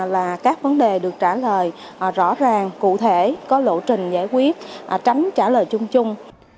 là các vấn đề được trả lời rõ ràng cụ thể có lộ trình giải quyết tránh trả lời chung chung